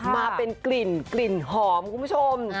มาเป็นกลิ่นกลิ่นหอมคุณผู้ชม